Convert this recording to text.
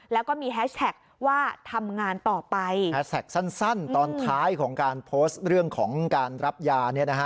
แล้วก็มีแฮชแท็กว่าทำงานต่อไปแฮสแท็กสั้นตอนท้ายของการโพสต์เรื่องของการรับยาเนี่ยนะฮะ